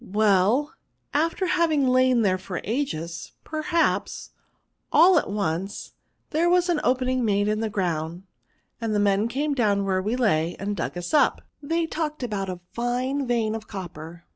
" Well, after having lain there for ages, perhaps, all at once liiere was an opening made in the ground, and men came down where we lay, and dug us up ; they talked about a fine vein of copper.